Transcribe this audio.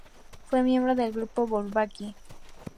Fue miembro del grupo Bourbaki.